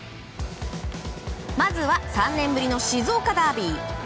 まずは３年ぶりの静岡ダービー。